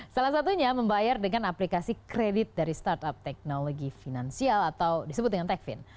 salah satunya membayar dengan aplikasi kredit dari startup teknologi finansial atau disebut dengan tekvin